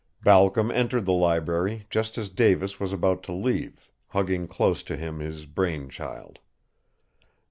Balcom entered the library just as Davis was about to leave, hugging close to him his brain child.